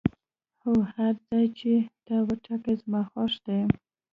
هو، هر ځای چې تا وټاکه زما خوښ دی.